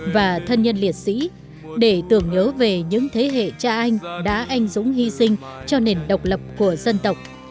và thân nhân liệt sĩ để tưởng nhớ về những thế hệ cha anh đã anh dũng hy sinh cho nền độc lập của dân tộc